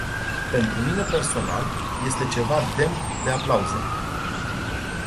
Pentru mine personal, este ceva demn de aplauze.